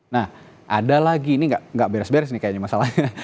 nah ada lagi ini nggak beres beres nih kayaknya masalahnya